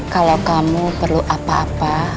kalau kamu perlu apa apa